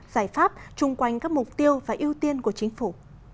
giải pháp chung quanh các mục tiêu và ưu tiên của chính phủ